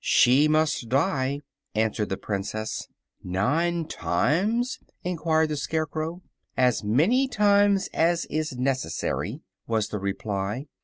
"She must die," answered the Princess. "Nine times?" enquired the Scarecrow. "As many times as is necessary," was the reply.